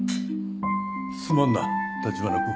すまんな橘くん。